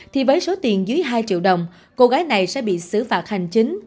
thì với số tiền dưới hai triệu đồng cô gái này sẽ bị xử phạt hành chính